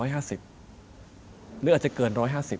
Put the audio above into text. หรืออาจจะเกิน๑๕๐